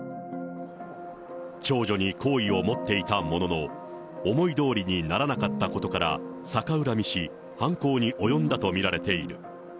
長女に好意を持っていたものの、思いどおりにならなかったことから逆恨みし、犯行に及んだと見られている。